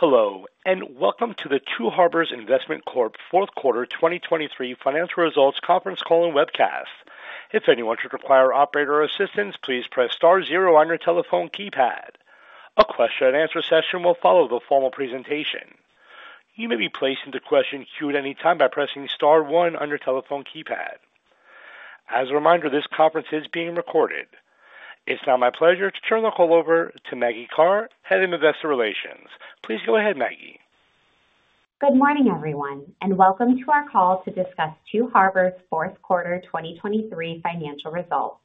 Hello, and welcome to the Two Harbors Investment Corp. Q4 2023 financial results conference call and webcast. If anyone should require operator assistance, please press star zero on your telephone keypad. A question and answer session will follow the formal presentation. You may be placed into question queue at any time by pressing star one on your telephone keypad. As a reminder, this conference is being recorded. It's now my pleasure to turn the call over to Maggie Karr, Head of Investor Relations. Please go ahead, Maggie. Good morning, everyone, and welcome to our call to discuss Two Harbors' Q4 2023 financial results.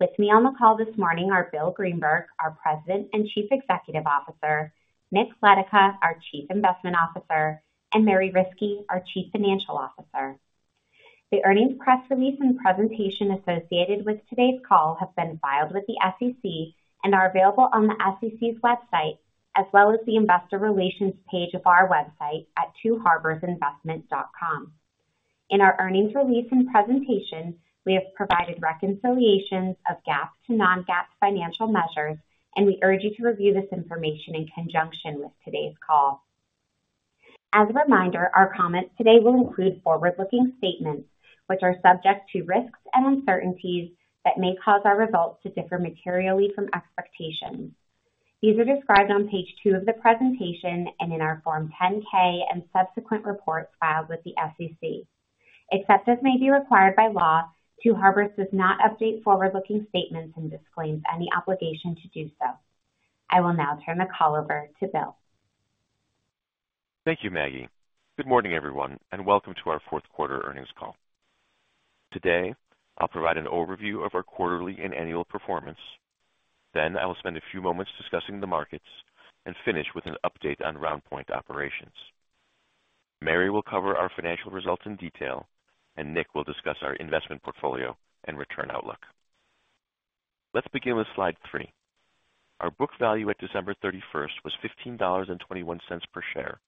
With me on the call this morning are Bill Greenberg, our President and Chief Executive Officer, Nick Letica, our Chief Investment Officer, and Mary Riskey, our Chief Financial Officer. The earnings press release and presentation associated with today's call have been filed with the SEC and are available on the SEC's website, as well as the Investor Relations page of our website at twoharborsinvestment.com. In our earnings release and presentation, we have provided reconciliations of GAAP to non-GAAP financial measures, and we urge you to review this information in conjunction with today's call. As a reminder, our comments today will include forward-looking statements, which are subject to risks and uncertainties that may cause our results to differ materially from expectations. These are described on page two of the presentation and in our Form 10-K and subsequent reports filed with the SEC. Except as may be required by law, Two Harbors does not update forward-looking statements and disclaims any obligation to do so. I will now turn the call over to Bill. Thank you, Maggie. Good morning, everyone, and welcome to our Q4 earnings call. Today, I'll provide an overview of our quarterly and annual performance. Then I will spend a few moments discussing the markets and finish with an update on RoundPoint operations. Mary will cover our financial results in detail, and Nick will discuss our investment portfolio and return outlook. Let's begin with slide three. Our book value at December 31st was $15.21 per share,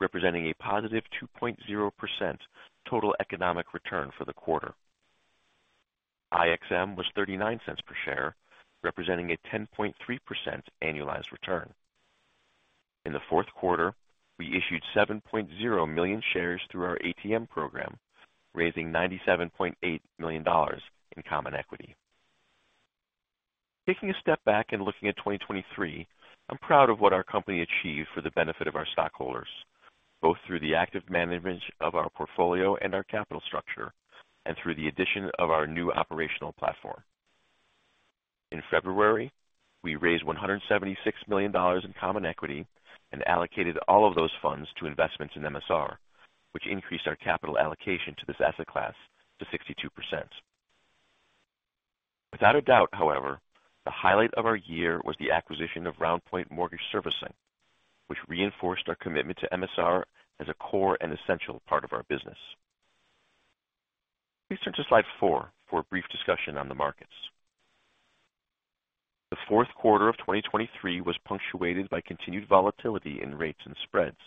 representing a positive 2.0% total economic return for the quarter. IXM was $0.39 per share, representing a 10.3% annualized return. In the Q4, we issued 7.0 million shares through our ATM program, raising $97.8 million in common equity. Taking a step back and looking at 2023, I'm proud of what our company achieved for the benefit of our stockholders, both through the active management of our portfolio and our capital structure, and through the addition of our new operational platform. In February, we raised $176 million in common equity and allocated all of those funds to investments in MSR, which increased our capital allocation to this asset class to 62%. Without a doubt, however, the highlight of our year was the acquisition of RoundPoint Mortgage Servicing, which reinforced our commitment to MSR as a core and essential part of our business. Please turn to slide four for a brief discussion on the markets. The Q4 of 2023 was punctuated by continued volatility in rates and spreads.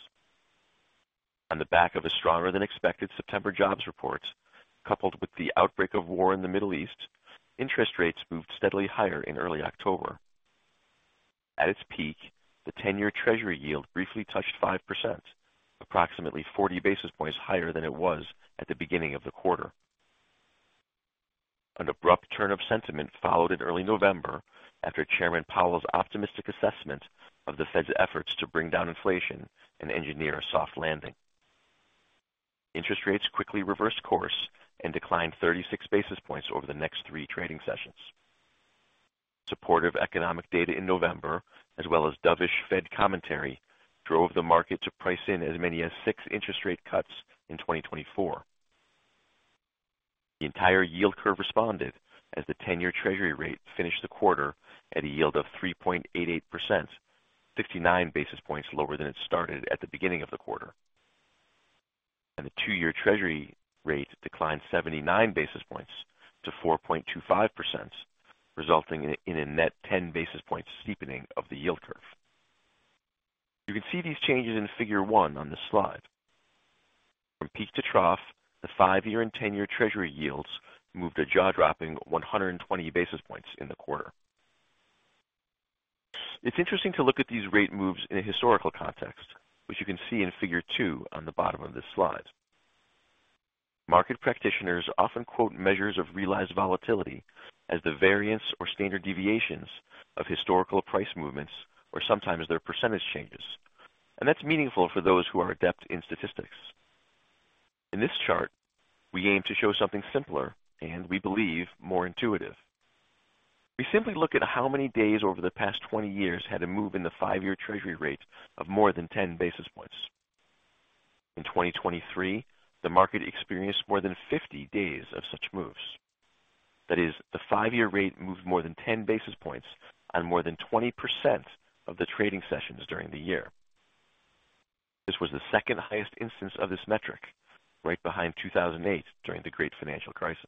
On the back of a stronger than expected September jobs report, coupled with the outbreak of war in the Middle East, interest rates moved steadily higher in early October. At its peak, the ten-year Treasury yield briefly touched 5%, approximately 40 basis points higher than it was at the beginning of the quarter. An abrupt turn of sentiment followed in early November after Chairman Powell's optimistic assessment of the Fed's efforts to bring down inflation and engineer a soft landing. Interest rates quickly reversed course and declined 36 basis points over the next three trading sessions. Supportive economic data in November, as well as dovish Fed commentary, drove the market to price in as many as six interest rate cuts in 2024. The entire yield curve responded as the 10-year Treasury rate finished the quarter at a yield of 3.88%, 69 basis points lower than it started at the beginning of the quarter. The 2-year Treasury rate declined 79 basis points to 4.25%, resulting in a net 10 basis point steepening of the yield curve. You can see these changes in Figure one on this slide. From peak to trough, the 5-year and 10-year Treasury yields moved a jaw-dropping 120 basis points in the quarter. It's interesting to look at these rate moves in a historical context, which you can see in Figure two on the bottom of this slide. Market practitioners often quote measures of realized volatility as the variance or standard deviations of historical price movements, or sometimes their percentage changes, and that's meaningful for those who are adept in statistics. In this chart, we aim to show something simpler and, we believe, more intuitive. We simply look at how many days over the past 20 years had a move in the 5-year Treasury rate of more than 10 basis points. In 2023, the market experienced more than 50 days of such moves. That is, the 5-year rate moved more than 10 basis points on more than 20% of the trading sessions during the year. This was the second highest instance of this metric, right behind 2008 during the great financial crisis.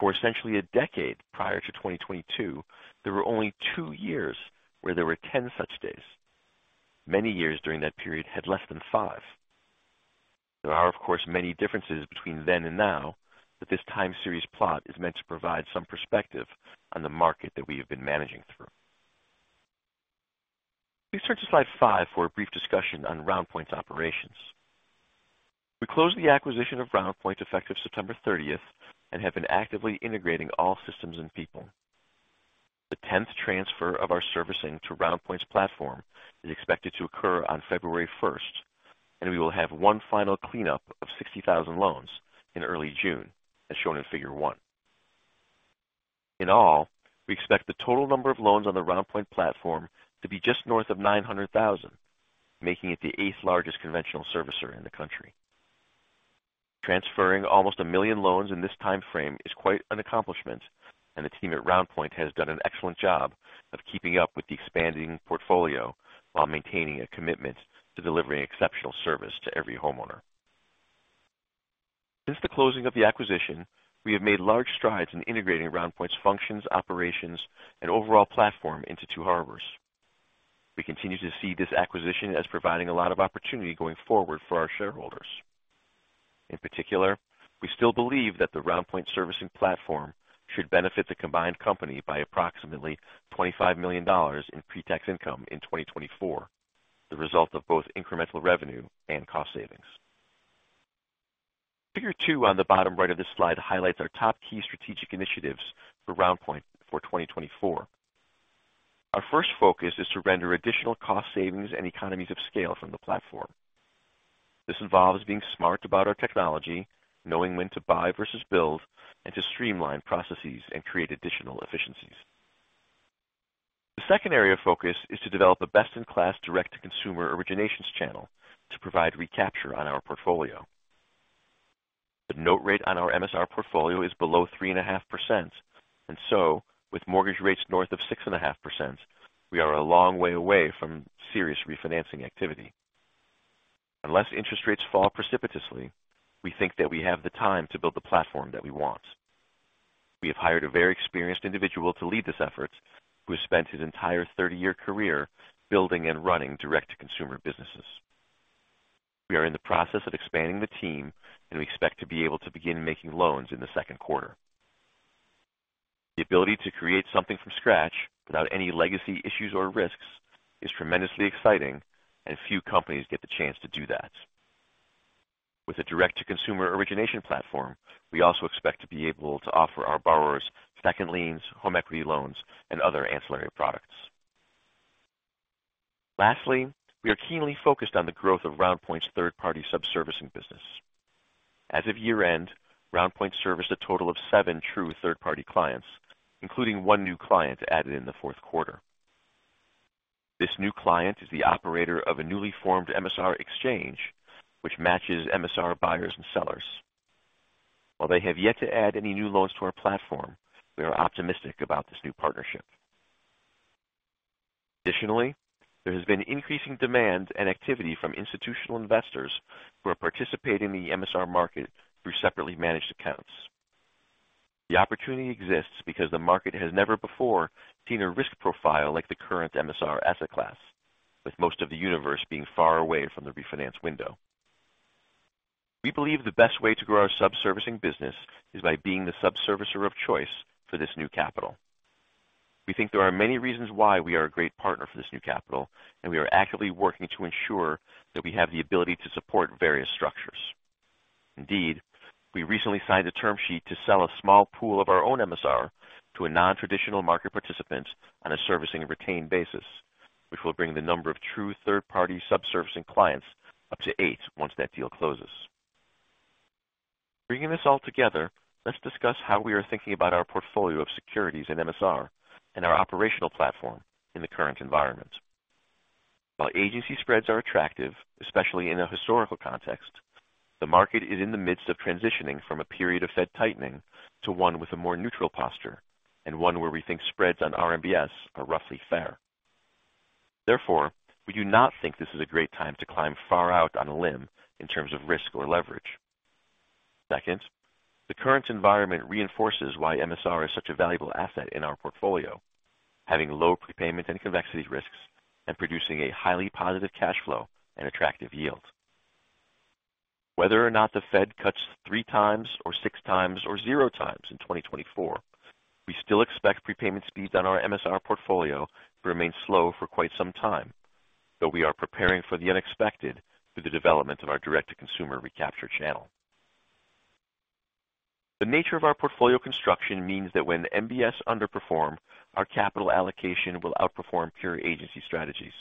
For essentially a decade prior to 2022, there were only two years where there were 10 such days. Many years during that period had less than five.... There are, of course, many differences between then and now, but this time series plot is meant to provide some perspective on the market that we have been managing through. Please turn to slide five for a brief discussion on RoundPoint's operations. We closed the acquisition of RoundPoint effective September 30th, and have been actively integrating all systems and people. The 10th transfer of our servicing to RoundPoint's platform is expected to occur on February 1st, and we will have one final cleanup of 60,000 loans in early June, as shown in figure one. In all, we expect the total number of loans on the RoundPoint platform to be just north of 900,000, making it the eighth largest conventional servicer in the country. Transferring almost a million loans in this time frame is quite an accomplishment, and the team at RoundPoint has done an excellent job of keeping up with the expanding portfolio while maintaining a commitment to delivering exceptional service to every homeowner. Since the closing of the acquisition, we have made large strides in integrating RoundPoint's functions, operations, and overall platform into Two Harbors. We continue to see this acquisition as providing a lot of opportunity going forward for our shareholders. In particular, we still believe that the RoundPoint servicing platform should benefit the combined company by approximately $25 million in pre-tax income in 2024, the result of both incremental revenue and cost savings. Figure two on the bottom right of this slide highlights our top key strategic initiatives for RoundPoint for 2024. Our first focus is to render additional cost savings and economies of scale from the platform. This involves being smart about our technology, knowing when to buy versus build, and to streamline processes and create additional efficiencies. The second area of focus is to develop a best-in-class, direct-to-consumer originations channel to provide recapture on our portfolio. The note rate on our MSR portfolio is below 3.5%, and so with mortgage rates north of 6.5%, we are a long way away from serious refinancing activity. Unless interest rates fall precipitously, we think that we have the time to build the platform that we want. We have hired a very experienced individual to lead this effort, who has spent his entire 30-year career building and running direct-to-consumer businesses. We are in the process of expanding the team, and we expect to be able to begin making loans in the Q2. The ability to create something from scratch without any legacy issues or risks is tremendously exciting, and few companies get the chance to do that. With a direct-to-consumer origination platform, we also expect to be able to offer our borrowers second liens, home equity loans, and other ancillary products. Lastly, we are keenly focused on the growth of RoundPoint's third-party subservicing business. As of year-end, RoundPoint serviced a total of seven true third-party clients, including one new client added in the Q4. This new client is the operator of a newly formed MSR exchange, which matches MSR buyers and sellers. While they have yet to add any new loans to our platform, we are optimistic about this new partnership. Additionally, there has been increasing demand and activity from institutional investors who are participating in the MSR market through separately managed accounts. The opportunity exists because the market has never before seen a risk profile like the current MSR asset class, with most of the universe being far away from the refinance window. We believe the best way to grow our subservicing business is by being the subservicer of choice for this new capital. We think there are many reasons why we are a great partner for this new capital, and we are actively working to ensure that we have the ability to support various structures. Indeed, we recently signed a term sheet to sell a small pool of our own MSR to a non-traditional market participant on a servicing and retained basis, which will bring the number of true third-party subservicing clients up to eight once that deal closes. Bringing this all together, let's discuss how we are thinking about our portfolio of securities and MSR and our operational platform in the current environment. While agency spreads are attractive, especially in a historical context, the market is in the midst of transitioning from a period of Fed tightening to one with a more neutral posture and one where we think spreads on RMBS are roughly fair. Therefore, we do not think this is a great time to climb far out on a limb in terms of risk or leverage. Second, the current environment reinforces why MSR is such a valuable asset in our portfolio, having low prepayment and convexity risks and producing a highly positive cash flow and attractive yield. Whether or not the Fed cuts 3 times or 6 times or 0 times in 2024, we still expect prepayment speeds on our MSR portfolio to remain slow for quite some time, though we are preparing for the unexpected through the development of our direct-to-consumer recapture channel. The nature of our portfolio construction means that when MBS underperform, our capital allocation will outperform pure agency strategies,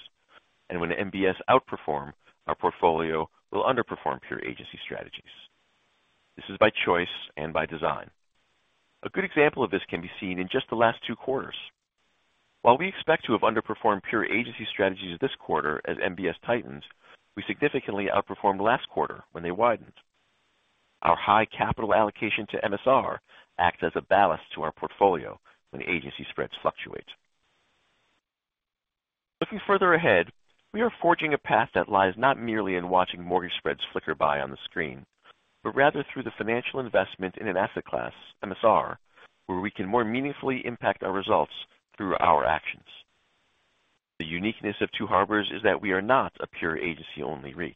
and when MBS outperform, our portfolio will underperform pure agency strategies. This is by choice and by design. A good example of this can be seen in just the last two quarters. While we expect to have underperformed pure agency strategies this quarter as MBS tightens, we significantly outperformed last quarter when they widened. Our high capital allocation to MSR acts as a ballast to our portfolio when agency spreads fluctuate. Looking further ahead, we are forging a path that lies not merely in watching mortgage spreads flicker by on the screen, but rather through the financial investment in an asset class, MSR, where we can more meaningfully impact our results through our actions... The uniqueness of Two Harbors is that we are not a pure agency-only REIT.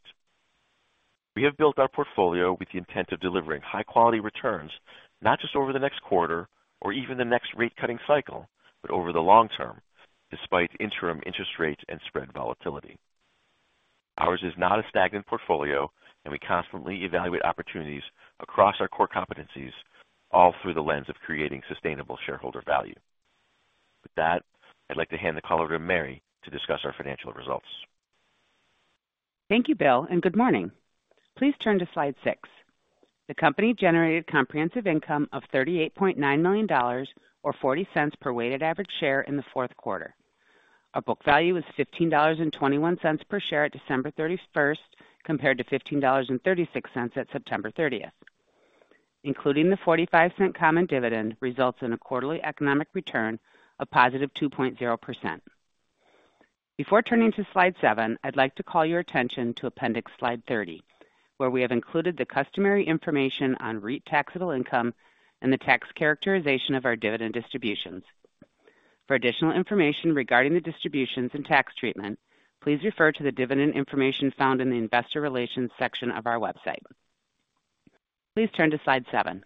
We have built our portfolio with the intent of delivering high-quality returns, not just over the next quarter or even the next rate-cutting cycle, but over the long term, despite interim interest rates and spread volatility. Ours is not a stagnant portfolio, and we constantly evaluate opportunities across our core competencies, all through the lens of creating sustainable shareholder value. With that, I'd like to hand the call over to Mary to discuss our financial results. Thank you, Bill, and good morning. Please turn to slide six. The company generated comprehensive income of $38.9 million, or $0.40 per weighted average share in the Q4. Our book value is $15.21 per share at December 31st, compared to $15.36 at September 30th. Including the $0.45 common dividend results in a quarterly economic return of positive 2.0%. Before turning to slide seven, I'd like to call your attention to appendix slide 30, where we have included the customary information on REIT taxable income and the tax characterization of our dividend distributions. For additional information regarding the distributions and tax treatment, please refer to the dividend information found in the Investor Relations section of our website. Please turn to slide seven.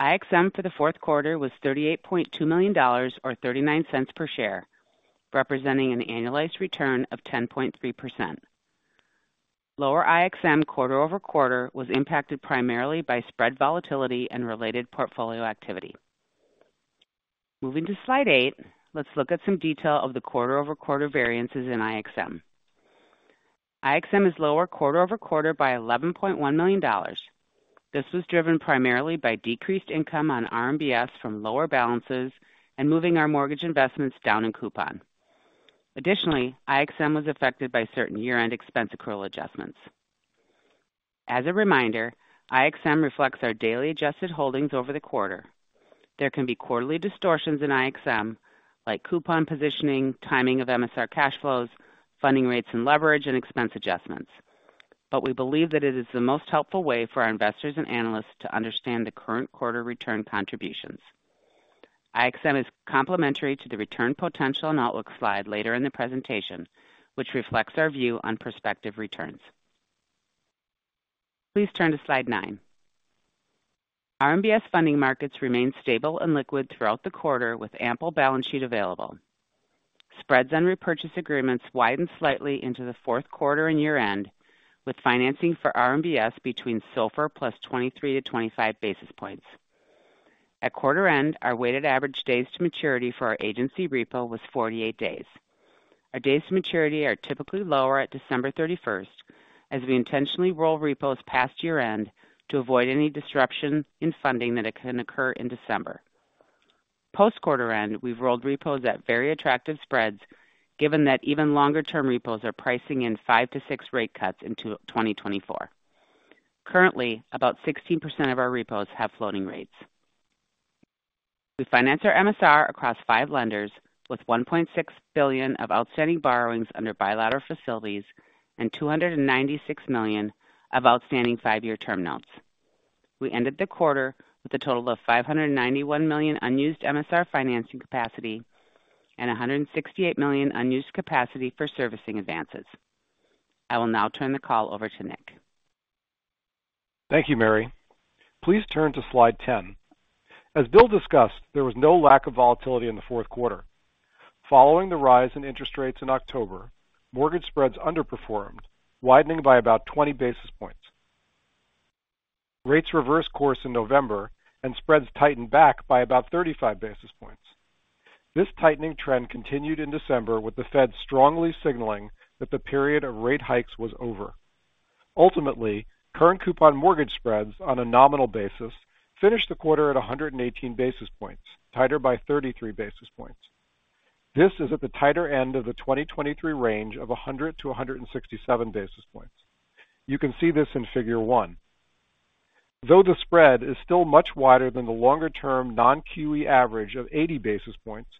IXM for the Q4 was $38.2 million, or $0.39 per share, representing an annualized return of 10.3%. Lower IXM quarter-over-quarter was impacted primarily by spread volatility and related portfolio activity. Moving to slide eight, let's look at some detail of the quarter-over-quarter variances in IXM. IXM is lower quarter-over-quarter by $11.1 million. This was driven primarily by decreased income on RMBS from lower balances and moving our mortgage investments down in coupon. Additionally, IXM was affected by certain year-end expense accrual adjustments. As a reminder, IXM reflects our daily adjusted holdings over the quarter. There can be quarterly distortions in IXM, like coupon positioning, timing of MSR cash flows, funding rates and leverage, and expense adjustments. We believe that it is the most helpful way for our investors and analysts to understand the current quarter return contributions. IXM is complementary to the return potential and outlook slide later in the presentation, which reflects our view on prospective returns. Please turn to slide nine. RMBS funding markets remained stable and liquid throughout the quarter, with ample balance sheet available. Spreads and repurchase agreements widened slightly into the Q4 and year-end, with financing for RMBS between SOFR plus 23-25 basis points. At quarter end, our weighted average days to maturity for our agency repo was 48 days. Our days to maturity are typically lower at December 31st, as we intentionally roll repos past year-end to avoid any disruption in funding that it can occur in December. Post-quarter end, we've rolled repos at very attractive spreads, given that even longer-term repos are pricing in 5-6 rate cuts into 2024. Currently, about 16% of our repos have floating rates. We finance our MSR across five lenders, with $1.6 billion of outstanding borrowings under bilateral facilities and $296 million of outstanding five-year term notes. We ended the quarter with a total of $591 million unused MSR financing capacity and $168 million unused capacity for servicing advances. I will now turn the call over to Nick. Thank you, Mary. Please turn to slide 10. As Bill discussed, there was no lack of volatility in the Q4. Following the rise in interest rates in October, mortgage spreads underperformed, widening by about 20 basis points. Rates reversed course in November, and spreads tightened back by about 35 basis points. This tightening trend continued in December, with the Fed strongly signaling that the period of rate hikes was over. Ultimately, current coupon mortgage spreads on a nominal basis finished the quarter at 118 basis points, tighter by 33 basis points. This is at the tighter end of the 2023 range of 100-167 basis points. You can see this in figure one. Though the spread is still much wider than the longer-term non-QE average of 80 basis points,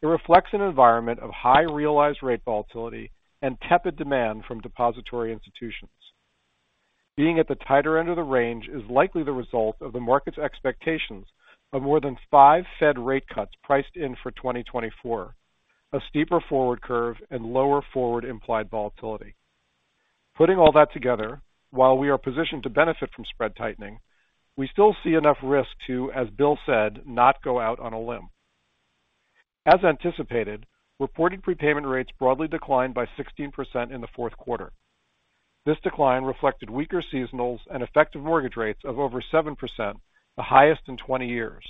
it reflects an environment of high realized rate volatility and tepid demand from depository institutions. Being at the tighter end of the range is likely the result of the market's expectations of more than 5 Fed rate cuts priced in for 2024, a steeper forward curve and lower forward implied volatility. Putting all that together, while we are positioned to benefit from spread tightening, we still see enough risk to, as Bill said, "not go out on a limb." As anticipated, reported prepayment rates broadly declined by 16% in the Q4. This decline reflected weaker seasonals and effective mortgage rates of over 7%, the highest in 20 years.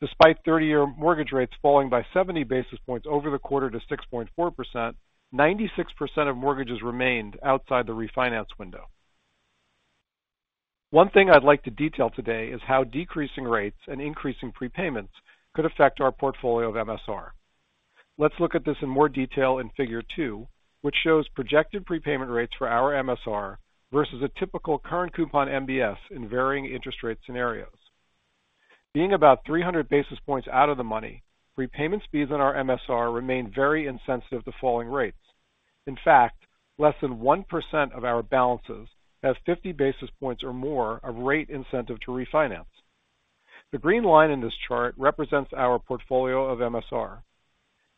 Despite 30-year mortgage rates falling by 70 basis points over the quarter to 6.4%, 96% of mortgages remained outside the refinance window. One thing I'd like to detail today is how decreasing rates and increasing prepayments could affect our portfolio of MSR. Let's look at this in more detail in figure 2, which shows projected prepayment rates for our MSR versus a typical current coupon MBS in varying interest rate scenarios. Being about 300 basis points out of the money, prepayment speeds on our MSR remain very insensitive to falling rates. In fact, less than 1% of our balances have 50 basis points or more of rate incentive to refinance.... The green line in this chart represents our portfolio of MSR.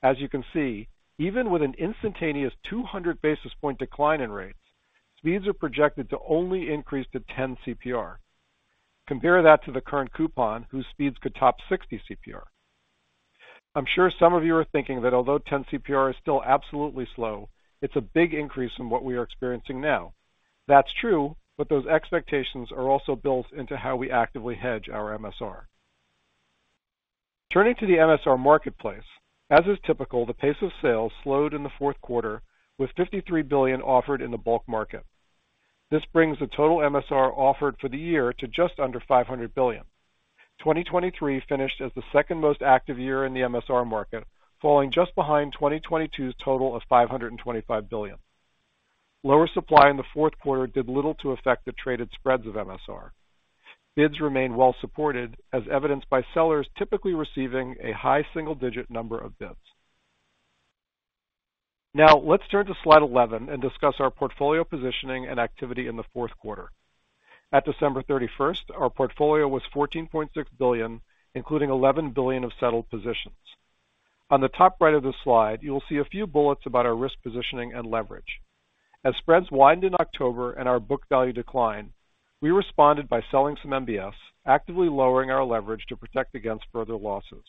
As you can see, even with an instantaneous 200 basis point decline in rates, speeds are projected to only increase to 10 CPR. Compare that to the current coupon, whose speeds could top 60 CPR. I'm sure some of you are thinking that although 10 CPR is still absolutely slow, it's a big increase from what we are experiencing now. That's true, but those expectations are also built into how we actively hedge our MSR. Turning to the MSR marketplace, as is typical, the pace of sales slowed in the Q4, with $53 billion offered in the bulk market. This brings the total MSR offered for the year to just under $500 billion. 2023 finished as the second most active year in the MSR market, falling just behind 2022's total of $525 billion. Lower supply in the Q4 did little to affect the traded spreads of MSR. Bids remained well supported, as evidenced by sellers typically receiving a high single-digit number of bids. Now, let's turn to slide 11 and discuss our portfolio positioning and activity in the Q4. At December 31st, our portfolio was $14.6 billion, including $11 billion of settled positions. On the top right of this slide, you will see a few bullets about our risk positioning and leverage. As spreads widened in October and our book value declined, we responded by selling some MBS, actively lowering our leverage to protect against further losses.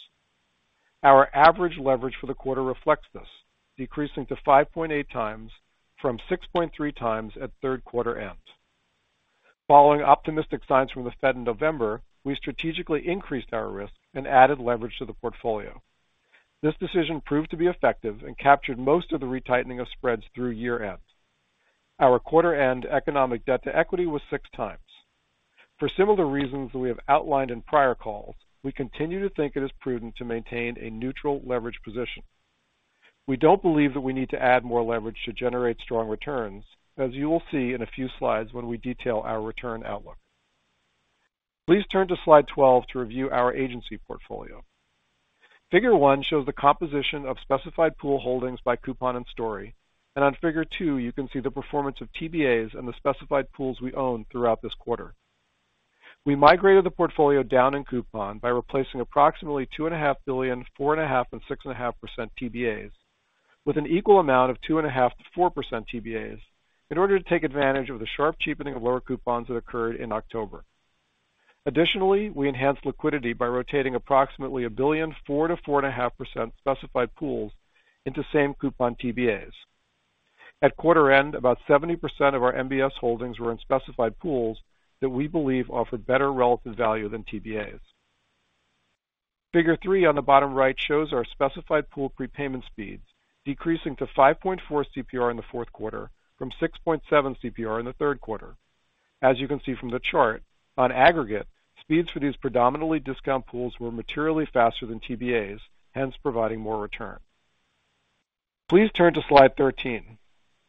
Our average leverage for the quarter reflects this, decreasing to 5.8 times from 6.3 times at Q3 end. Following optimistic signs from the Fed in November, we strategically increased our risk and added leverage to the portfolio. This decision proved to be effective and captured most of the retightening of spreads through year-end. Our quarter-end Economic Debt-to-Equity was 6x. For similar reasons we have outlined in prior calls, we continue to think it is prudent to maintain a neutral leverage position. We don't believe that we need to add more leverage to generate strong returns, as you will see in a few slides when we detail our return outlook. Please turn to slide 12 to review our agency portfolio. Figure one shows the composition of specified pool holdings by coupon and story, and on Figure 2, you can see the performance of TBAs and the specified pools we own throughout this quarter. We migrated the portfolio down in coupon by replacing approximately $2.5 billion 4.5% and 6.5% TBAs, with an equal amount of 2.5%-4% TBAs in order to take advantage of the sharp cheapening of lower coupons that occurred in October. Additionally, we enhanced liquidity by rotating approximately $1 billion 4%-4.5% specified pools into same coupon TBAs. At quarter end, about 70% of our MBS holdings were in specified pools that we believe offered better relative value than TBAs. Figure 3 on the bottom right shows our specified pool prepayment speeds, decreasing to 5.4 CPR in the Q4 from 6.7 CPR in the Q3. As you can see from the chart, on aggregate, speeds for these predominantly discount pools were materially faster than TBAs, hence providing more return. Please turn to slide 13.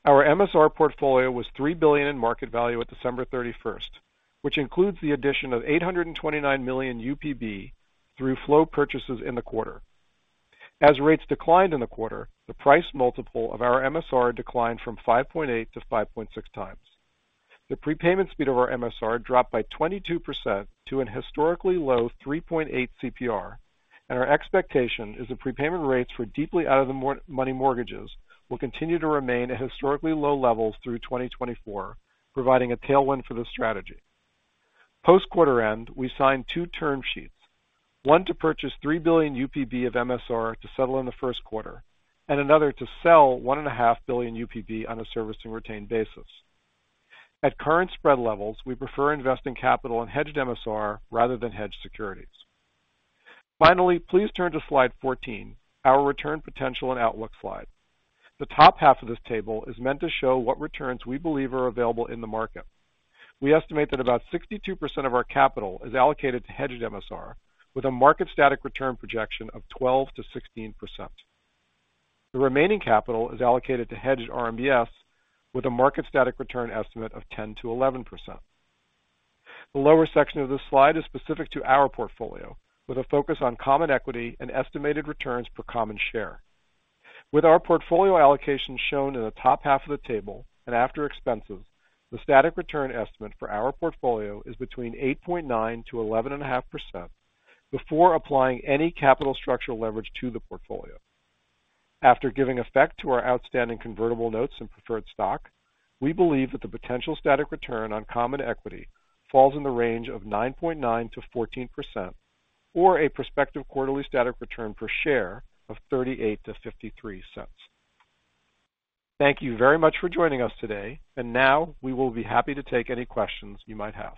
Our MSR portfolio was $3 billion in market value at December 31, which includes the addition of $829 million UPB through flow purchases in the quarter. As rates declined in the quarter, the price multiple of our MSR declined from 5.8x to 5.6x. The prepayment speed of our MSR dropped by 22% to a historically low 3.8 CPR, and our expectation is that prepayment rates for deeply out-of-the-money mortgages will continue to remain at historically low levels through 2024, providing a tailwind for the strategy. Post-quarter end, we signed two term sheets, one to purchase $3 billion UPB of MSR to settle in the Q4, and another to sell $1.5 billion UPB on a service and retained basis. At current spread levels, we prefer investing capital in hedged MSR rather than hedged securities. Finally, please turn to slide 14, our return potential and outlook slide. The top half of this table is meant to show what returns we believe are available in the market. We estimate that about 62% of our capital is allocated to hedged MSR, with a market static return projection of 12%-16%. The remaining capital is allocated to hedged RMBS, with a market static return estimate of 10%-11%. The lower section of this slide is specific to our portfolio, with a focus on common equity and estimated returns per common share. With our portfolio allocation shown in the top half of the table and after expenses, the static return estimate for our portfolio is between 8.9%-11.5%, before applying any capital structural leverage to the portfolio. After giving effect to our outstanding convertible notes and preferred stock, we believe that the potential static return on common equity falls in the range of 9.9%-14% or a prospective quarterly static return per share of $0.38-$0.53. Thank you very much for joining us today, and now we will be happy to take any questions you might have.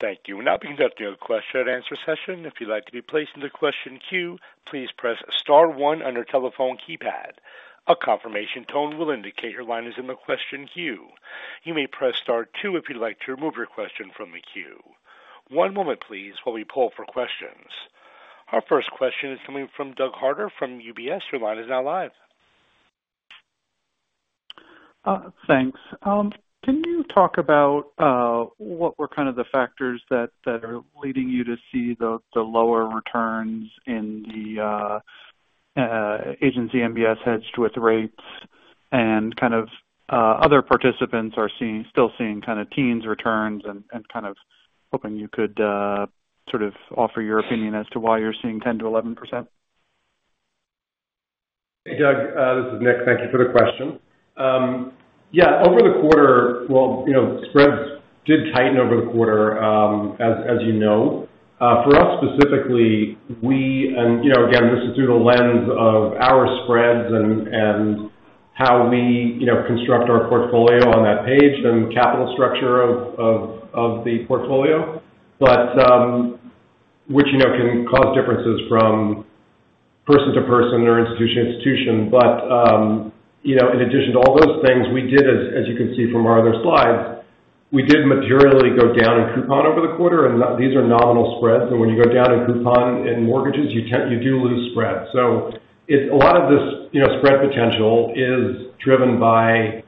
Thank you. We'll now begin the question and answer session. If you'd like to be placed in the question queue, please press star one on your telephone keypad. A confirmation tone will indicate your line is in the question queue. You may press Star two if you'd like to remove your question from the queue. One moment, please, while we pull for questions. Our first question is coming from Doug Harter from UBS. Your line is now live. Thanks. Can you talk about what were kind of the factors that are leading you to see the lower returns in the agency MBS hedged with rates?... and kind of other participants are still seeing kind of teens returns and kind of hoping you could sort of offer your opinion as to why you're seeing 10%-11%. Hey, Doug, this is Nick. Thank you for the question. Yeah, over the quarter. Well, you know, spreads did tighten over the quarter, as you know. For us specifically, we, you know, again, this is through the lens of our spreads and how we, you know, construct our portfolio on that page and capital structure of the portfolio. But, you know, in addition to all those things, we did, as you can see from our other slides, we did materially go down in coupon over the quarter, and these are nominal spreads. So when you go down in coupon in mortgages, you tend, you do lose spread. So it's a lot of this, you know, spread potential is driven by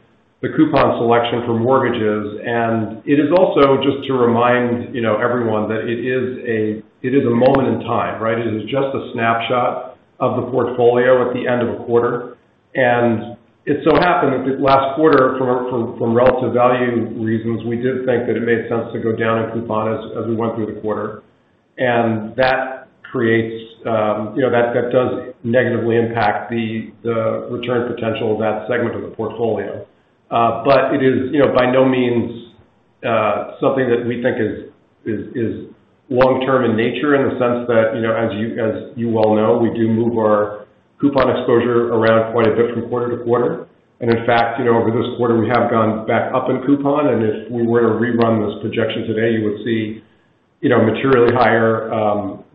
the coupon selection for mortgages. And it is also just to remind, you know, everyone that it is a moment in time, right? It is just a snapshot of the portfolio at the end of a quarter. And it so happened that this last quarter, from relative value reasons, we did think that it made sense to go down in coupon as we went through the quarter. And that creates, you know, that does negatively impact the return potential of that segment of the portfolio. But it is, you know, by no means, something that we think is long-term in nature, in the sense that, you know, as you well know, we do move our coupon exposure around quite a bit from quarter-to-quarter. And in fact, you know, over this quarter, we have gone back up in coupon, and if we were to rerun this projection today, you would see, you know, materially higher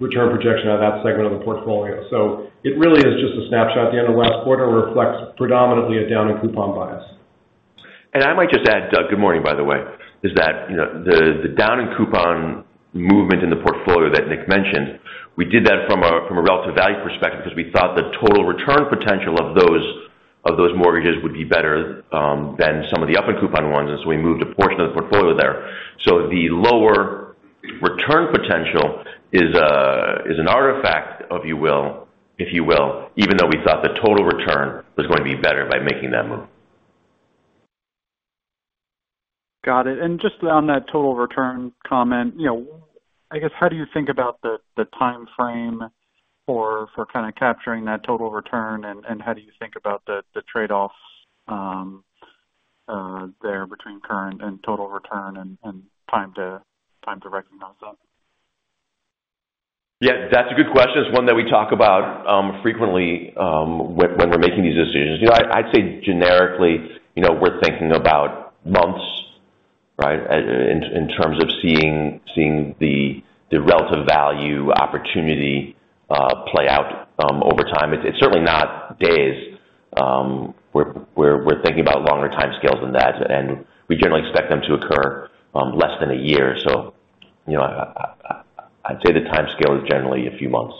return projection on that segment of the portfolio. So it really is just a snapshot at the end of the last quarter, reflects predominantly a down in coupon bias. I might just add, Doug, good morning, by the way, is that, you know, the down in coupon movement in the portfolio that Nick mentioned, we did that from a relative value perspective because we thought the total return potential of those mortgages would be better than some of the up in coupon ones, and so we moved a portion of the portfolio there. So the lower return potential is an artifact, if you will, if you will, even though we thought the total return was going to be better by making that move. Got it. And just on that total return comment, you know, I guess, how do you think about the timeframe for kind of capturing that total return, and how do you think about the trade-offs there between current and total return and time to recognize that? Yeah, that's a good question. It's one that we talk about frequently when we're making these decisions. You know, I'd say generically, you know, we're thinking about months, right, in terms of seeing the relative value opportunity play out over time. It's certainly not days. We're thinking about longer timescales than that, and we generally expect them to occur less than a year. So, you know, I'd say the timescale is generally a few months.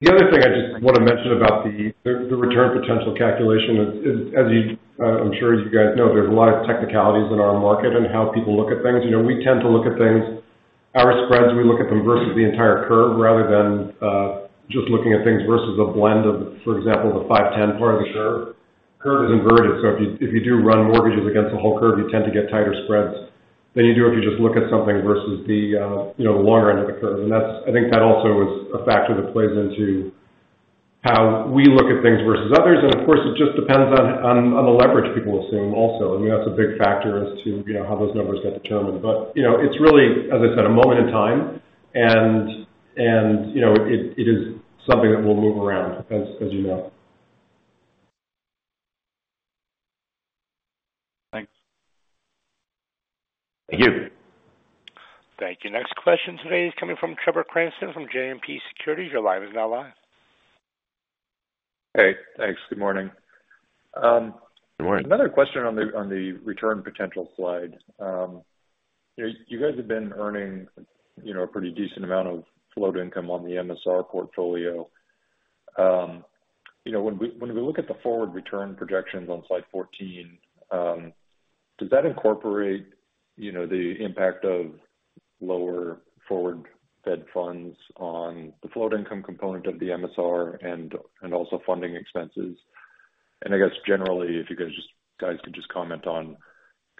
The other thing I just want to mention about the return potential calculation is as you, I'm sure as you guys know, there's a lot of technicalities in our market and how people look at things. You know, we tend to look at things—our spreads, we look at them versus the entire curve, rather than just looking at things versus a blend of, for example, the five-ten part of the curve. Curve is inverted, so if you do run mortgages against the whole curve, you tend to get tighter spreads than you do if you just look at something versus the you know, the longer end of the curve. And that's—I think that also is a factor that plays into how we look at things versus others. Of course, it just depends on the leverage people assume also. I mean, that's a big factor as to, you know, how those numbers get determined. But, you know, it's really, as I said, a moment in time, and, you know, it is something that will move around, as you know. Thanks. Thank you. Thank you. Next question today is coming from Trevor Cranston, from JMP Securities. Your line is now live. Hey, thanks. Good morning. Good morning. Another question on the return potential slide. You know, you guys have been earning, you know, a pretty decent amount of float income on the MSR portfolio. You know, when we look at the forward return projections on slide 14, does that incorporate, you know, the impact of lower forward Fed funds on the float income component of the MSR and also funding expenses? And I guess generally, if you guys could just comment on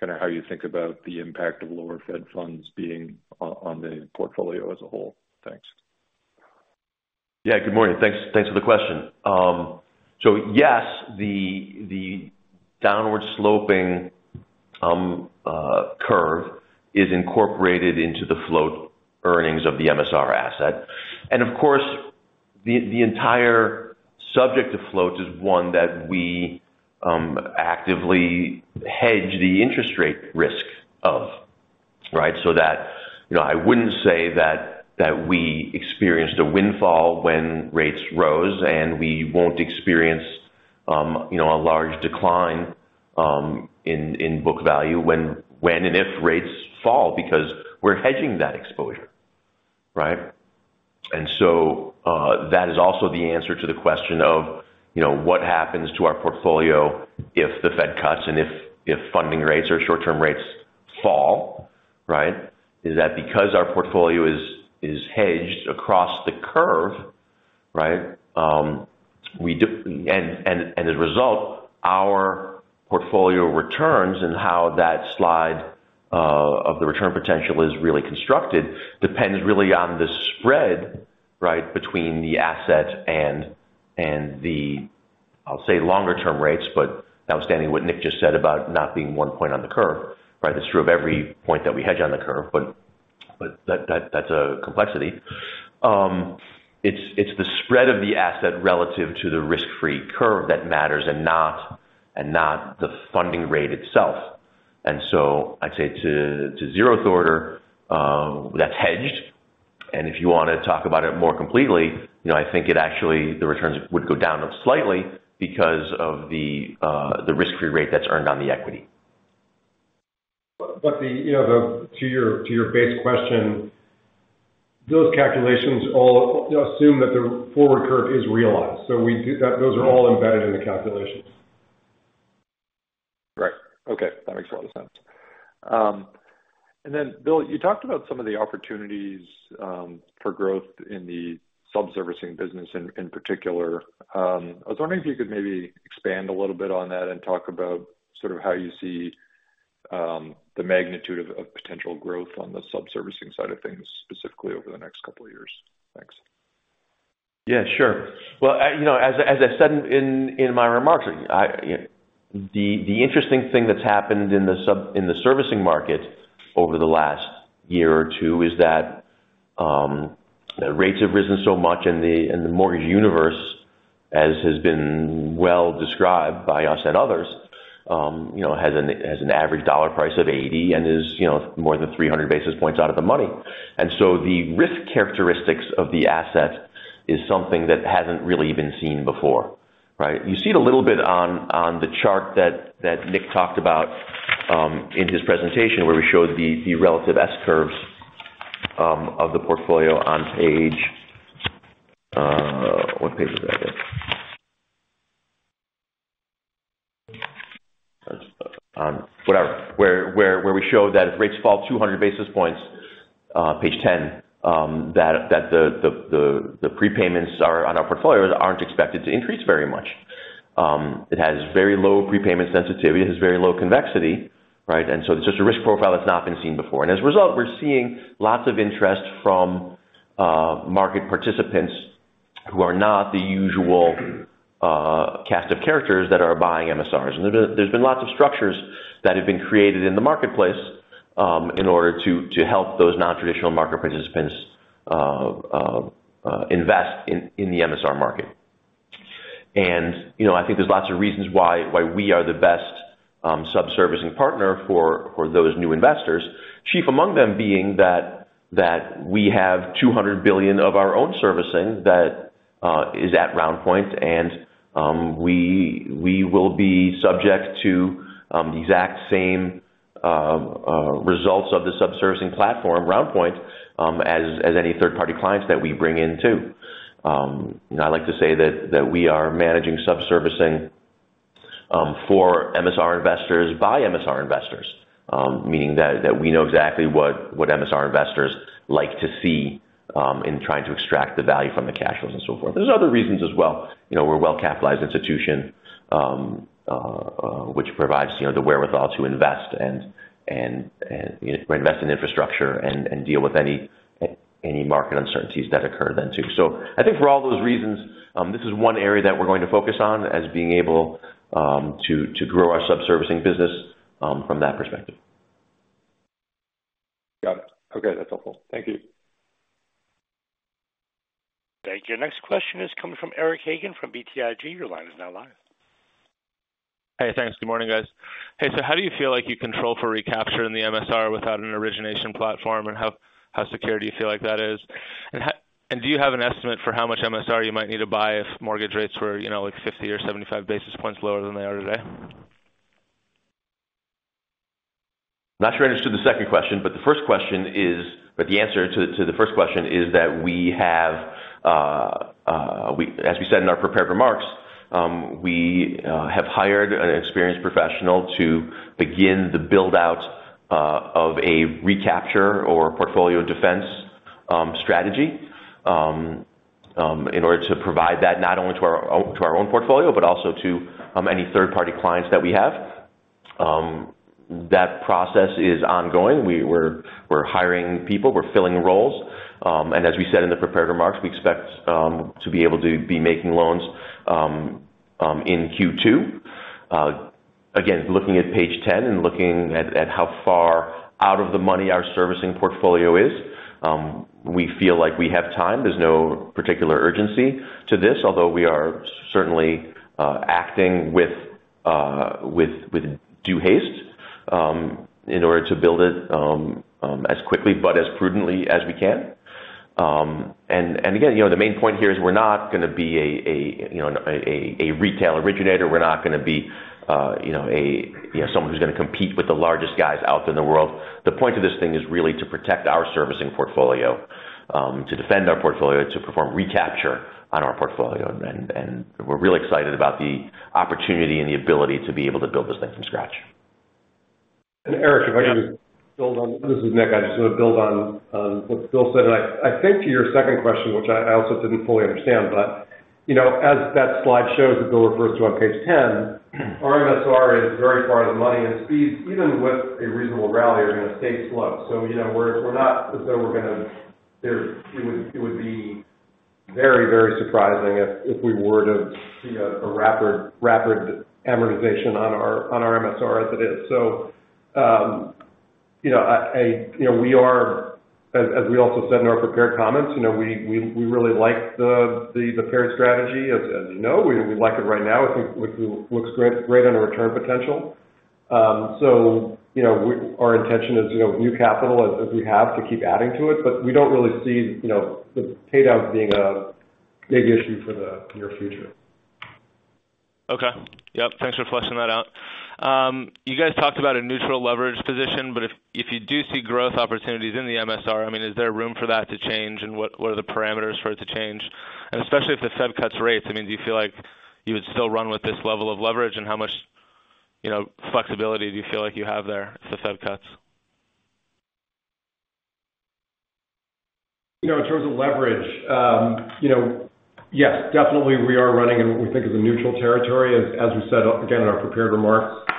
kind of how you think about the impact of lower Fed funds being on the portfolio as a whole. Thanks. Yeah. Good morning. Thanks, thanks for the question. So yes, the downward sloping curve is incorporated into the float earnings of the MSR asset. And of course, the entire subject of floats is one that we actively hedge the interest rate risk of, right? So that you know, I wouldn't say that we experienced a windfall when rates rose, and we won't experience a large decline in book value when and if rates fall, because we're hedging that exposure, right? And so that is also the answer to the question of what happens to our portfolio if the Fed cuts and if funding rates or short-term rates fall? Right? Is that because our portfolio is hedged across the curve, right? As a result, our portfolio returns and how that slide of the return potential is really constructed depends really on the spread, right, between the asset and the, I'll say longer term rates. But notwithstanding what Nick just said about not being one point on the curve, right? It's true of every point that we hedge on the curve, but that's a complexity. It's the spread of the asset relative to the risk-free curve that matters and not the funding rate itself. And so I'd say to zeroth order, that's hedged. And if you want to talk about it more completely, you know, I think it actually, the returns would go down slightly because of the risk-free rate that's earned on the equity. But you know, to your base question, those calculations all assume that the forward curve is realized. So that those are all embedded in the calculations. Right. Okay, that makes a lot of sense. And then, Bill, you talked about some of the opportunities for growth in the subservicing business, in particular. I was wondering if you could maybe expand a little bit on that and talk about sort of how you see the magnitude of potential growth on the sub-servicing side of things, specifically over the next couple of years. Thanks. Yeah, sure. Well, you know, as I said in my remarks, the interesting thing that's happened in the servicing market over the last year or two is that the rates have risen so much in the mortgage universe, as has been well described by us and others, you know, has an average dollar price of $80 and is more than 300 basis points out of the money. And so the risk characteristics of the asset is something that hasn't really been seen before, right? You see it a little bit on the chart that Nick talked about in his presentation, where we showed the relative S curves of the portfolio on page... What page was that again? Whatever. Where we show that if rates fall 200 basis points, page 10, that the prepayments on our portfolios aren't expected to increase very much. It has very low prepayment sensitivity. It has very low convexity, right? And so it's just a risk profile that's not been seen before. And as a result, we're seeing lots of interest from market participants who are not the usual cast of characters that are buying MSRs. And there's been lots of structures that have been created in the marketplace in order to help those nontraditional market participants invest in the MSR market. And, you know, I think there's lots of reasons why we are the best sub-servicing partner for those new investors. Chief among them being that we have $200 billion of our own servicing that is at RoundPoint and we will be subject to the exact same results of the sub-servicing platform, RoundPoint, as any third-party clients that we bring in, too. And I like to say that we are managing sub-servicing for MSR investors by MSR investors. Meaning that we know exactly what MSR investors like to see in trying to extract the value from the cash flows and so forth. There's other reasons as well. You know, we're a well-capitalized institution which provides, you know, the wherewithal to invest and invest in infrastructure and deal with any market uncertainties that occur then, too. So I think for all those reasons, this is one area that we're going to focus on as being able to grow our sub-servicing business from that perspective. Got it. Okay, that's helpful. Thank you. Thank you. Next question is coming from Eric Hagen, from BTIG. Your line is now live. Hey, thanks. Good morning, guys. Hey, so how do you feel like you control for recapture in the MSR without an origination platform? And how secure do you feel like that is? And do you have an estimate for how much MSR you might need to buy if mortgage rates were, you know, like 50 or 75 basis points lower than they are today? Not sure I understood the second question, but the first question is, but the answer to the first question is that we have we as we said in our prepared remarks, we have hired an experienced professional to begin the build-out of a recapture or portfolio defense strategy. In order to provide that not only to our own portfolio, but also to any third-party clients that we have. That process is ongoing. We're hiring people, we're filling roles. And as we said in the prepared remarks, we expect to be able to be making loans in Q2. Again, looking at page 10 and looking at how far out of the money our servicing portfolio is, we feel like we have time. There's no particular urgency to this, although we are certainly acting with due haste in order to build it as quickly but as prudently as we can. And again, you know, the main point here is we're not gonna be a retail originator. We're not gonna be someone who's gonna compete with the largest guys out there in the world. The point of this thing is really to protect our servicing portfolio, to defend our portfolio, to perform recapture on our portfolio. And we're really excited about the opportunity and the ability to be able to build this thing from scratch. And Eric, if I can just build on. This is Nick. I just want to build on what Bill said. I think to your second question, which I also didn't fully understand, but you know, as that slide shows that Bill refers to on page 10, our MSR is very far out of the money, and speeds even with a reasonable rally are going to stay slow. So, you know, we're not as though we're gonna. It would be very surprising if we were to see a rapid amortization on our MSR as it is. So, you know, we are, as we also said in our prepared comments, you know, we really like the paired strategy, as you know. We like it right now. We think it looks great, great on the return potential. So, you know, our intention is, you know, new capital as, as we have, to keep adding to it, but we don't really see, you know, the paydowns being a big issue for the near future. Okay. Yep, thanks for fleshing that out. You guys talked about a neutral leverage position, but if you do see growth opportunities in the MSR, I mean, is there room for that to change, and what are the parameters for it to change? And especially if the Fed cuts rates, I mean, do you feel like you would still run with this level of leverage, and how much, you know, flexibility do you feel like you have there if the Fed cuts? You know, in terms of leverage, you know, yes, definitely we are running in what we think is a neutral territory. As we said, again, in our prepared remarks,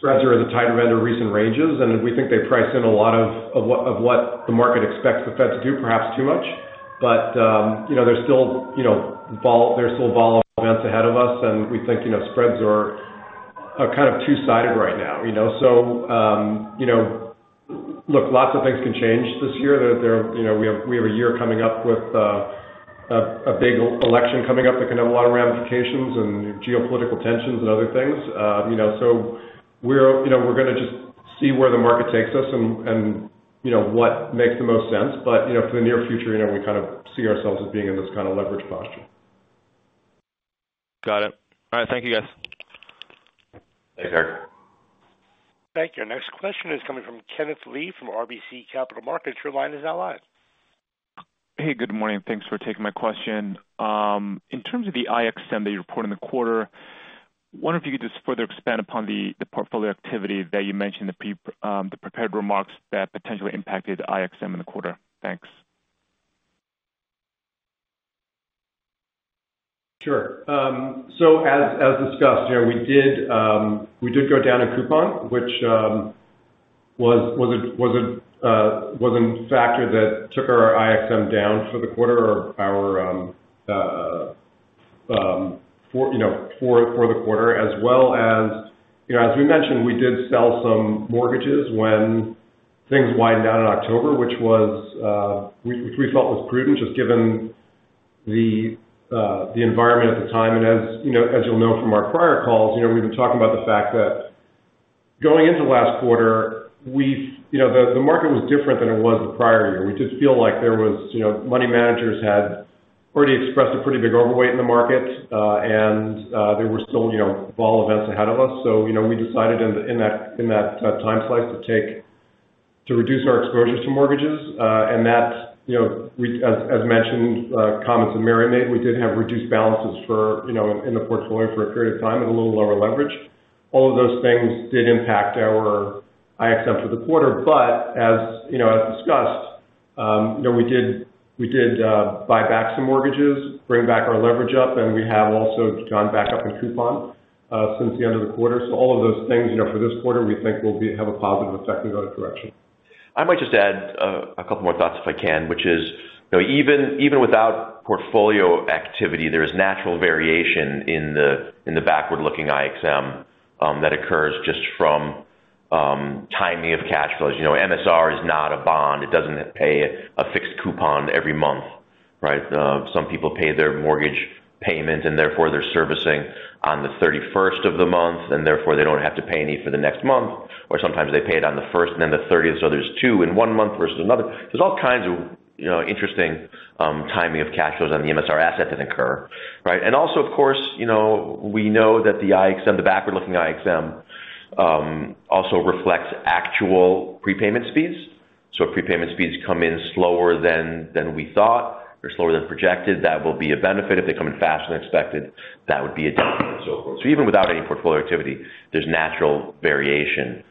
spreads are at the tighter end of recent ranges, and we think they price in a lot of what the market expects the Fed to do, perhaps too much. But, you know, there's still, you know, vol- there's still vol events ahead of us, and we think, you know, spreads are kind of two-sided right now, you know? So, you know, look, lots of things can change this year. There are -- you know, we have a year coming up with a big election coming up that can have a lot of ramifications and geopolitical tensions and other things. You know, so we're, you know, we're gonna just see where the market takes us and you know, what makes the most sense. But, you know, for the near future, you know, we kind of see ourselves as being in this kind of leverage posture. Got it. All right, thank you, guys. Thanks, Eric. Thank you. Our next question is coming from Kenneth Lee from RBC Capital Markets. Your line is now live. Hey, good morning. Thanks for taking my question. In terms of the IXM that you reported in the quarter, I wonder if you could just further expand upon the, the portfolio activity that you mentioned, the prepared remarks that potentially impacted IXM in the quarter. Thanks. Sure. So as discussed, you know, we did go down a coupon, which was a factor that took our IXM down for the quarter, for the quarter. As well as, you know, as we mentioned, we did sell some mortgages when things widened out in October, which we felt was prudent, just given the environment at the time. And as you know, as you'll know from our prior calls, you know, we've been talking about the fact that going into last quarter, you know, the market was different than it was the prior year. We just feel like there was, you know, money managers had already expressed a pretty big overweight in the market, and there were still, you know, vol events ahead of us. So, you know, we decided in that time slice to reduce our exposure to mortgages. And that, you know, we, as mentioned, comments that Mary made, we did have reduced balances for, you know, in the portfolio for a period of time and a little lower leverage. All of those things did impact our IXM for the quarter. But as, you know, as discussed, you know, we did buy back some mortgages, bring back our leverage up, and we have also gone back up in coupon since the end of the quarter. All of those things, you know, for this quarter, we think will have a positive effect and go to correction. I might just add, a couple more thoughts if I can, which is, you know, even, even without portfolio activity, there is natural variation in the, in the backward-looking IXM, that occurs just from, timing of cash flows. You know, MSR is not a bond. It doesn't pay a fixed coupon every month, right? Some people pay their mortgage payment, and therefore, they're servicing on the 31st of the month, and therefore, they don't have to pay any for the next month, or sometimes they pay it on the 1st and then the 30th, so there's two in one month versus another. There's all kinds of, you know, interesting, timing of cash flows on the MSR asset that occur, right? And also, of course, you know, we know that the IXM, the backward-looking IXM, also reflects actual prepayment speeds. So if prepayment speeds come in slower than we thought or slower than projected, that will be a benefit. If they come in faster than expected, that would be a detriment, and so forth. So even without any portfolio activity, there's natural variation.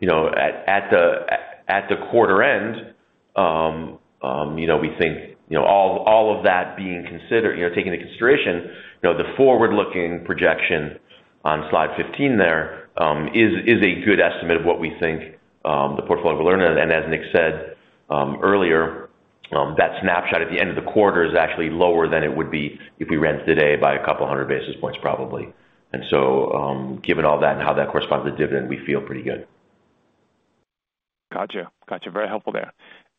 You know, at the quarter end, you know, we think, you know, all of that being considered, you know, taken into consideration, you know, the forward-looking projection on slide 15 there, is a good estimate of what we think the portfolio will earn. And as Nick said, earlier, that snapshot at the end of the quarter is actually lower than it would be if we ran it today by a couple hundred basis points, probably. And so, given all that and how that corresponds to the dividend, we feel pretty good. Gotcha. Gotcha. Very helpful there.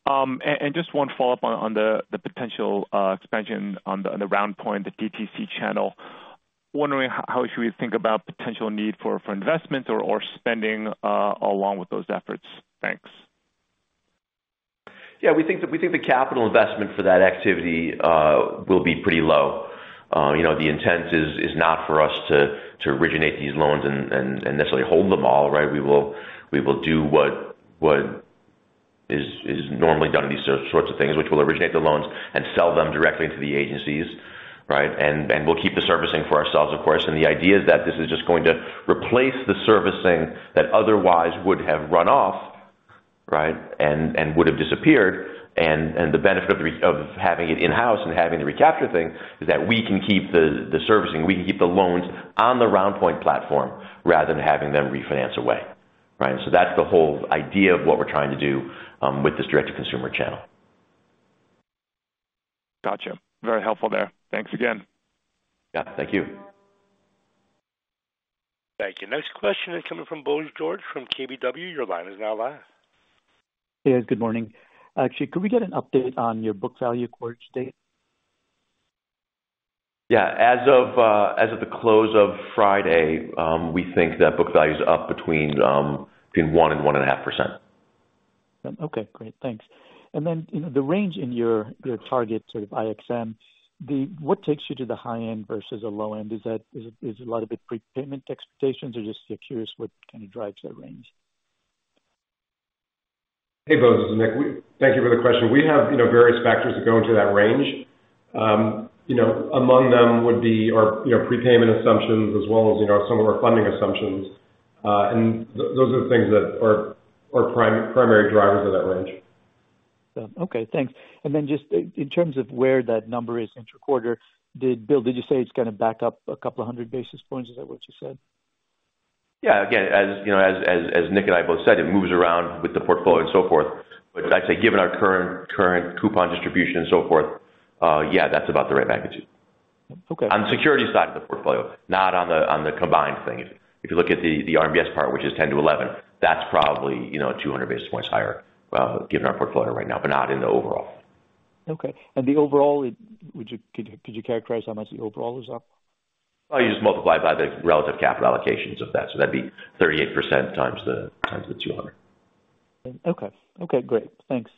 And, and just one follow-up on, on the, the potential expansion on the, on the RoundPoint, the DTC channel. Wondering how should we think about potential need for, for investment or, or spending along with those efforts? Thanks. Yeah, we think the capital investment for that activity will be pretty low. You know, the intent is not for us to originate these loans and necessarily hold them all, right? We will do what is normally done in these sorts of things, which we'll originate the loans and sell them directly to the agencies, right? And we'll keep the servicing for ourselves, of course. And the idea is that this is just going to replace the servicing that otherwise would have run off, right, and would have disappeared. And the benefit of having it in-house and having the recapture thing is that we can keep the servicing. We can keep the loans on the RoundPoint platform rather than having them refinance away, right? That's the whole idea of what we're trying to do, with this direct-to-consumer channel. Gotcha. Very helpful there. Thanks again. Yeah, thank you. Thank you. Next question is coming from Bose George from KBW. Your line is now live. Hey, good morning. Actually, could we get an update on your book value quarter to date? Yeah. As of the close of Friday, we think that book value is up between 1% and 1.5%. Okay, great. Thanks. And then, you know, the range in your target sort of IXM, what takes you to the high end versus the low end? Is that a lot of it prepayment expectations, or just curious what kind of drives that range? Hey, Bose, this is Nick. We thank you for the question. We have, you know, various factors that go into that range. You know, among them would be our, you know, prepayment assumptions as well as, you know, some of our funding assumptions. And those are the things that are primary drivers of that range. Okay, thanks. And then just in, in terms of where that number is interquarter, did Bill, did you say it's gonna back up a couple of hundred basis points? Is that what you said? Yeah. Again, as you know, as Nick and I both said, it moves around with the portfolio and so forth. But I'd say, given our current coupon distribution and so forth, yeah, that's about the right magnitude. Okay. On the security side of the portfolio, not on the combined thing. If you look at the RMBS part, which is 10-11, that's probably, you know, 200 basis points higher, given our portfolio right now, but not in the overall. Okay. And the overall, could you characterize how much the overall is up? Oh, you just multiply by the relative capital allocations of that, so that'd be 38% times the 200. Okay. Okay, great. Thanks.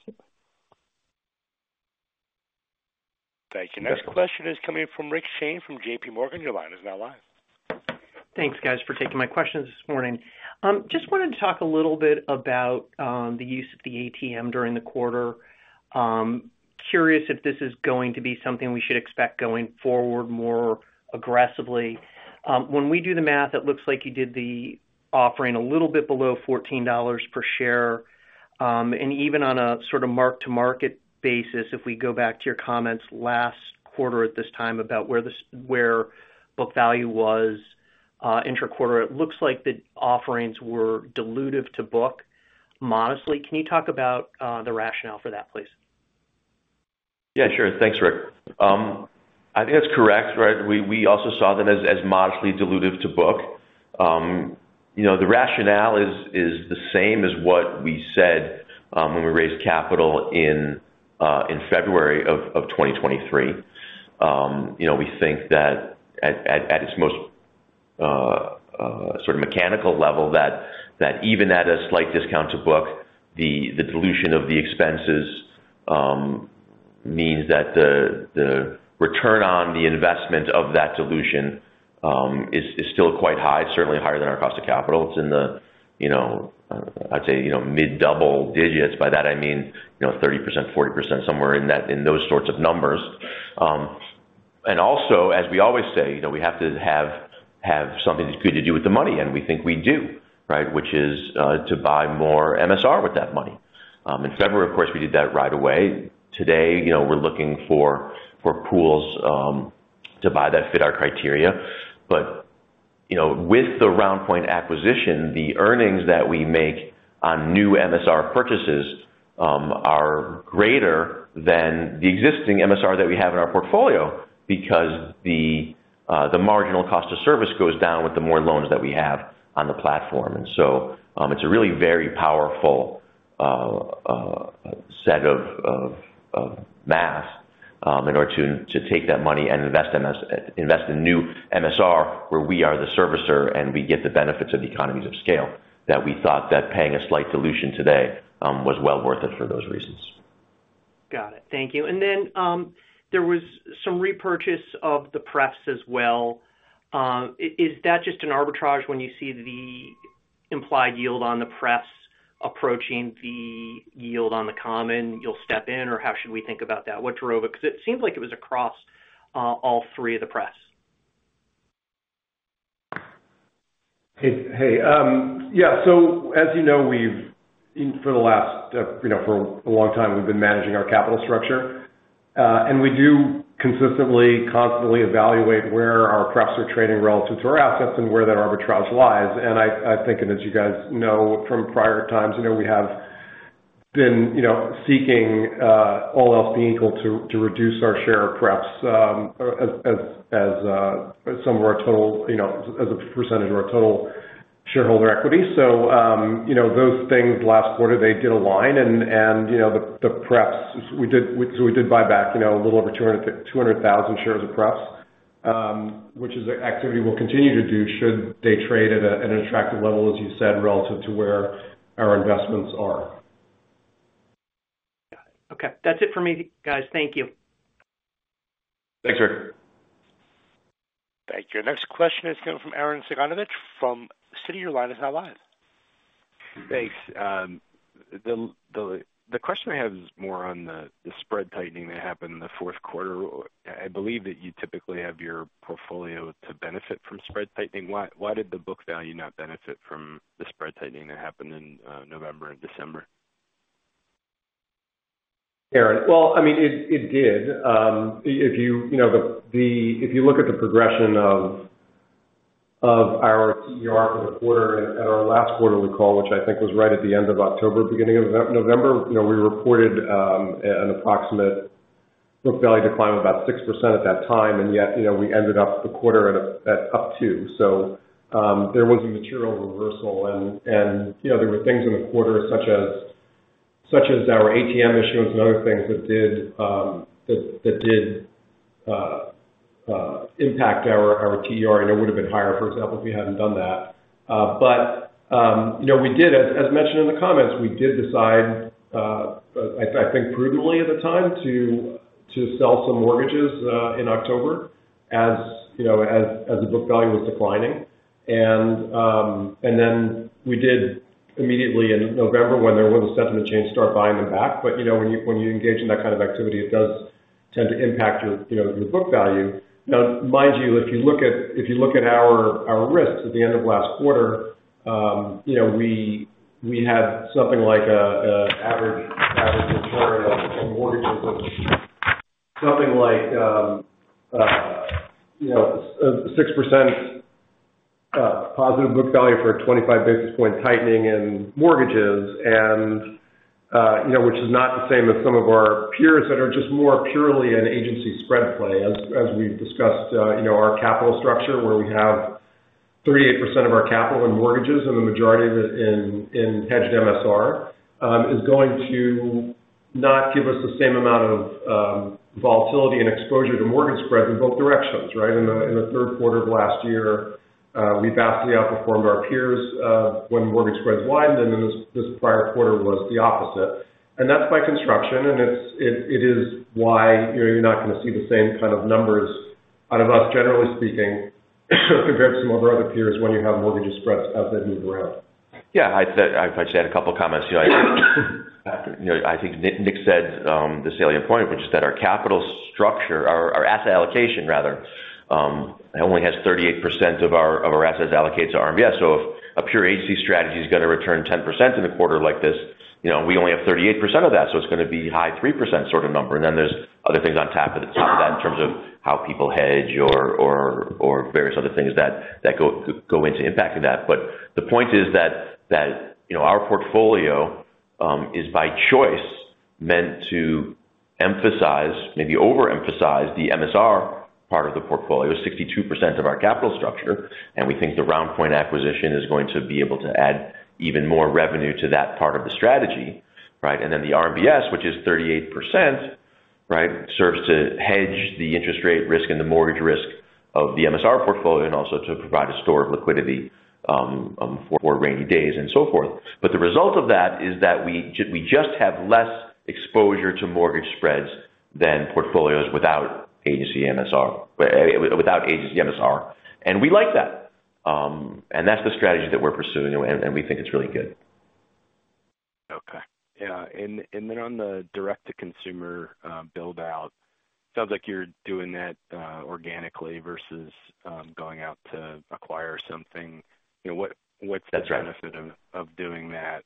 Thank you. Next question is coming from Rick Shane from JPMorgan. Your line is now live. Thanks, guys, for taking my questions this morning. Just wanted to talk a little bit about the use of the ATM during the quarter. Curious if this is going to be something we should expect going forward more aggressively? When we do the math, it looks like you did the offering a little bit below $14 per share. Even on a sort of mark-to-market basis, if we go back to your comments last quarter at this time about where book value was interquarter, it looks like the offerings were dilutive to book modestly. Can you talk about the rationale for that, please? Yeah, sure. Thanks, Rick. I think that's correct, right? We also saw them as modestly dilutive to book. You know, the rationale is the same as what we said when we raised capital in February of 2023. You know, we think that at its most sort of mechanical level, that even at a slight discount to book, the dilution of the expenses means that the return on the investment of that dilution is still quite high, certainly higher than our cost of capital. It's in the, you know, I'd say, you know, mid-double digits. By that I mean, you know, 30%, 40%, somewhere in that, in those sorts of numbers. And also, as we always say, you know, we have to have something that's good to do with the money, and we think we do, right? Which is to buy more MSR with that money. In February, of course, we did that right away. Today, you know, we're looking for pools to buy that fit our criteria. But, you know, with the RoundPoint acquisition, the earnings that we make on new MSR purchases are greater than the existing MSR that we have in our portfolio because the marginal cost of service goes down with the more loans that we have on the platform. And so, it's a really very powerful set of math in order to take that money and invest in new MSR, where we are the servicer and we get the benefits of the economies of scale, that we thought that paying a slight dilution today was well worth it for those reasons. Got it. Thank you. And then, there was some repurchase of the preps as well. Is that just an arbitrage when you see the implied yield on the preps approaching the yield on the common, you'll step in, or how should we think about that? What drove it? Because it seems like it was across all three of the preps. Hey, hey, yeah. So as you know, for a long time we've been managing our capital structure. And we do consistently, constantly evaluate where our repos are trading relative to our assets and where that arbitrage lies. And I think, as you guys know from prior times, you know, we have been seeking, all else being equal, to reduce our share of repos as some of our total, you know, as a percentage of our total shareholder equity. So, you know, those things last quarter, they did align and, you know, the PREPs we did, we did buy back, you know, a little over 200,000 shares of PREPs, which is an activity we'll continue to do should they trade at an attractive level, as you said, relative to where our investments are.... Okay, that's it for me, guys. Thank you. Thanks, Rick. Thank you. Next question is coming from Arren Cyganovich from Citi. Line is now live. Thanks. The question I have is more on the spread tightening that happened in the Q4. I believe that you typically have your portfolio to benefit from spread tightening. Why did the book value not benefit from the spread tightening that happened in November and December? Aaron, well, I mean, it did. If you, you know, if you look at the progression of our TER for the quarter at our last quarter recall, which I think was right at the end of October, beginning of November, you know, we reported an approximate book value decline of about 6% at that time, and yet, you know, we ended up the quarter at up 2. So, there was a material reversal and, you know, there were things in the quarter such as our ATM issuance and other things that did impact our TER, and it would have been higher, for example, if we hadn't done that. But, you know, we did, as mentioned in the comments, we did decide, I think prudently at the time, to sell some mortgages, in October, as, you know, as the book value was declining. And then we did immediately in November, when there was a sentiment change, start buying them back. But, you know, when you engage in that kind of activity, it does tend to impact your, you know, your book value. Now, mind you, if you look at our risks at the end of last quarter, you know, we had something like an average maturity on mortgages of something like 6%, positive book value for a 25 basis point tightening in mortgages, and you know, which is not the same as some of our peers that are just more purely an agency spread play. As we've discussed, you know, our capital structure, where we have 38% of our capital in mortgages and the majority of it in hedged MSR, is going to not give us the same amount of volatility and exposure to mortgage spreads in both directions, right? In the Q3 of last year, we vastly outperformed our peers when mortgage spreads widened, and in this prior quarter was the opposite. And that's by construction, and it is why you're not going to see the same kind of numbers out of us, generally speaking, compared to some of our other peers, when you have mortgage spreads as they move around. Yeah, I'd actually add a couple comments here. You know, I think Nick said the salient point, which is that our capital structure, our asset allocation rather, only has 38% of our assets allocated to RMBS. So if a pure agency strategy is going to return 10% in a quarter like this, you know, we only have 38% of that, so it's going to be high 3% sort of number. And then there's other things on top of that, in terms of how people hedge or various other things that go into impacting that. But the point is that, you know, our portfolio is by choice meant to emphasize, maybe overemphasize, the MSR part of the portfolio, 62% of our capital structure. And we think the RoundPoint acquisition is going to be able to add even more revenue to that part of the strategy, right? And then the RMBS, which is 38%, right? Serves to hedge the interest rate risk and the mortgage risk of the MSR portfolio and also to provide a store of liquidity for rainy days and so forth. But the result of that is that we just have less exposure to mortgage spreads than portfolios without agency MSR, without agency MSR. And we like that. And that's the strategy that we're pursuing, and we think it's really good. Okay. Yeah, and, and then on the direct to consumer build out, sounds like you're doing that organically versus going out to acquire something. You know, what- That's right. What's the benefit of doing that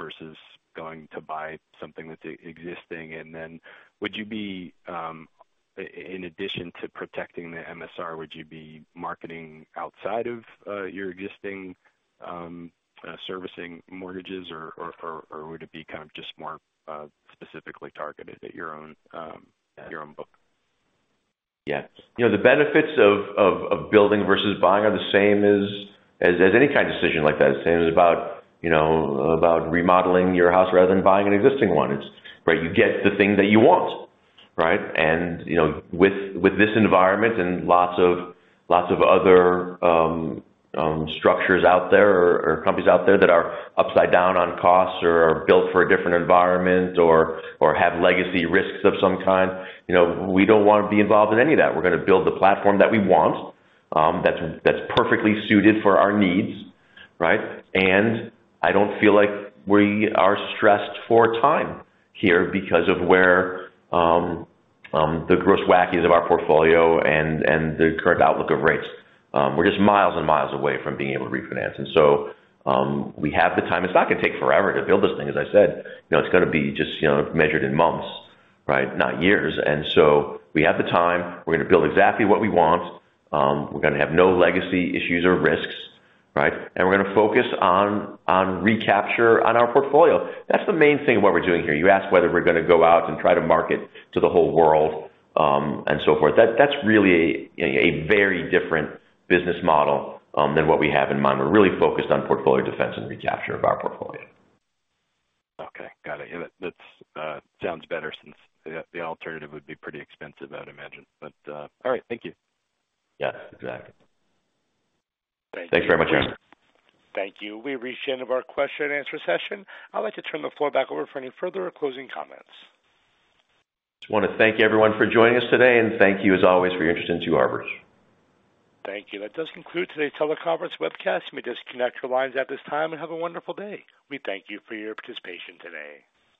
versus going to buy something that's existing? And then, in addition to protecting the MSR, would you be marketing outside of your existing servicing mortgages or would it be kind of just more specifically targeted at your own book? Yeah. You know, the benefits of building versus buying are the same as any kind of decision like that. Same as, you know, about remodeling your house rather than buying an existing one. It's, right, you get the thing that you want, right? And, you know, with this environment and lots of other structures out there or companies out there that are upside down on costs or are built for a different environment or have legacy risks of some kind, you know, we don't want to be involved in any of that. We're going to build the platform that we want, that's perfectly suited for our needs, right? I don't feel like we are stressed for time here because of where the gross WACs of our portfolio and the current outlook of rates. We're just miles and miles away from being able to refinance, and so we have the time. It's not going to take forever to build this thing. As I said, you know, it's going to be just, you know, measured in months, right? Not years. And so we have the time. We're going to build exactly what we want. We're going to have no legacy issues or risks, right? And we're going to focus on recapture on our portfolio. That's the main thing of what we're doing here. You asked whether we're going to go out and try to market to the whole world, and so forth. That's really a very different business model than what we have in mind. We're really focused on portfolio defense and recapture of our portfolio. Okay, got it. Yeah, that, that's sounds better since the alternative would be pretty expensive, I'd imagine, but, all right. Thank you. Yeah, exactly. Thank you. Thanks very much, Aaron. Thank you. We've reached the end of our question and answer session. I'd like to turn the floor back over for any further closing comments. Just want to thank everyone for joining us today, and thank you as always, for your interest in Two Harbors. Thank you. That does conclude today's teleconference webcast. You may disconnect your lines at this time and have a wonderful day. We thank you for your participation today.